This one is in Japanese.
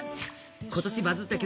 今年バズった曲